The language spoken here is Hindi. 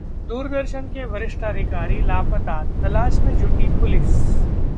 दूरदर्शन के वरिष्ठ अधिकारी लापता, तलाश में जुटी पुलिस